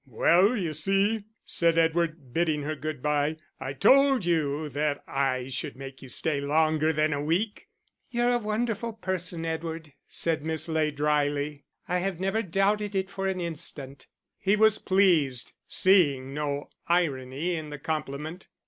"Well, you see," said Edward, bidding her good bye, "I told you that I should make you stay longer than a week." "You're a wonderful person, Edward," said Miss Ley, drily. "I have never doubted it for an instant." He was pleased seeing no irony in the compliment.